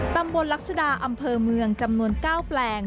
ตำบลลักษดาอำเภอเมืองจำนวน๙แปลง